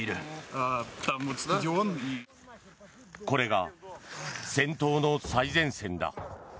これが戦闘の最前線だ。